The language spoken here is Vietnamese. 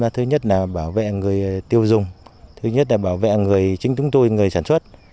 thứ nhất là bảo vệ người tiêu dùng thứ nhất là bảo vệ chính chúng tôi người sản xuất